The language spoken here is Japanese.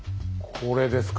これですか。